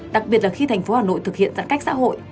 đặc biệt là khi thành phố hà nội thực hiện giãn cách xã hội